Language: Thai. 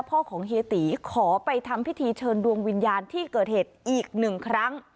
พ่อของเฮียตีขอไปทำพิธีเชิญดวงวิญญาณที่เกิดเหตุอีกหนึ่งครั้ง